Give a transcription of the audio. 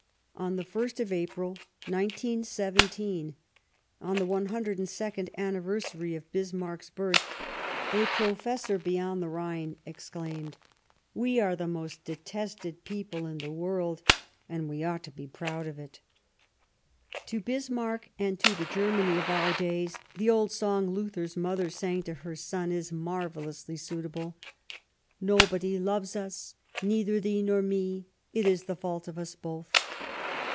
On the ist of April, 1917, on the 102nd anniversary of Bismarck's birth, a Professor beyond the Rhine exclaimed, " We are the most detested people in the world, but we ought to be proud of it." To Bismarck and to the Germany of our days the old song Luther's mother sang to her son is mar 238 Last Fights vellously suitable :" Nobody loves us, neither thee nor me ; it is the fault of us both."